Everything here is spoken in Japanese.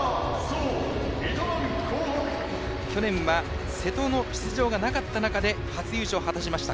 去年は瀬戸の出場がなかった中で初優勝を果たしました